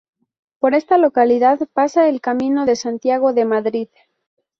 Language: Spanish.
Por esta localidad pasa el Camino de Santiago de Madrid.